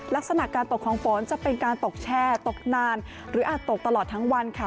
ลักษณะการตกของฝนจะเป็นการตกแช่ตกนานหรืออาจตกตลอดทั้งวันค่ะ